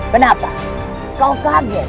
kenapa kau kaget